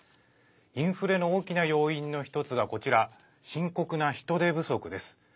インフレの大きな要因の１つがこちら深刻な人手不足です。